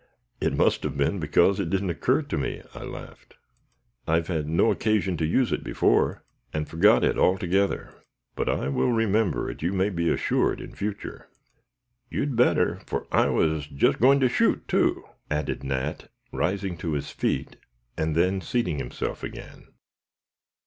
"It must have been because it did not occur to me," I laughed; "I have had no occasion to use it before, and forgot it altogether; but I will remember it, you may be assured, in future." "You'd better, for I was just going to shoot, too," added Nat, rising to his feet, and then seating himself again.